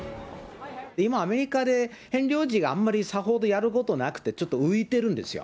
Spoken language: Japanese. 今、アメリカでヘンリー王子があんまりさほどやることなくて、ちょっと浮いてるんですよ。